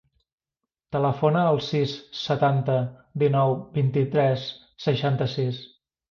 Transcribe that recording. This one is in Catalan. Telefona al sis, setanta, dinou, vint-i-tres, seixanta-sis.